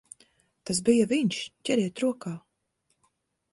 Tas bija viņš! Ķeriet rokā!